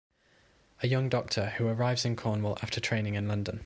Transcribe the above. A young doctor who arrives in Cornwall after training in London.